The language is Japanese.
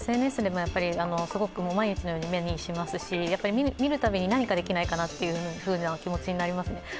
ＳＮＳでもすごく毎日のように目にしますし、見るたびに何かできないかなという気持ちになりますね。